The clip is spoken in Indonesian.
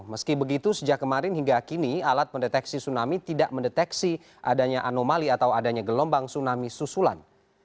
meski begitu sejak kemarin hingga kini alat pendeteksi tsunami tidak mendeteksi adanya anomali atau adanya gelombang tsunami susulan